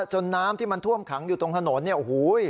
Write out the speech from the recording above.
จนน้ำที่มันท่วมขังอยู่ตรงถนนเนี่ยโอ้โห